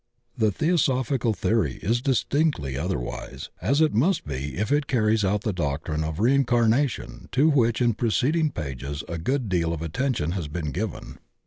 The theo' .ophical theory is distinctly other wise, as it must be if it carries out the doctrine of reincarnation to which in preceding pages a good deal of attention has been given.